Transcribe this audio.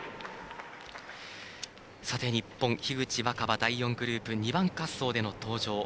日本、樋口新葉は第４グループ２番滑走での登場。